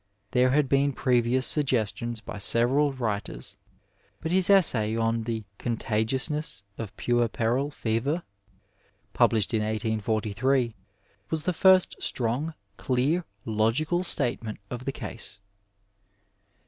There had been previous suggestions by several writers, but his essay on the '^ Con tagiousness of Puerperal Fever," published in 1843, was the first strong, clear, logical statement of the case.